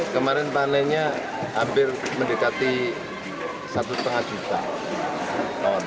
kemarin panennya hampir mendekati satu lima juta ton